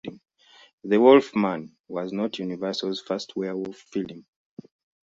"The Wolf Man" was not Universal's first werewolf film.